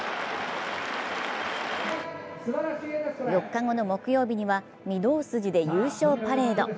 ４日後の木曜日には御堂筋で優勝パレード。